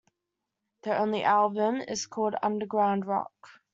Their only album is called "Underground-Rock".